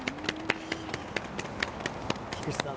菊地さん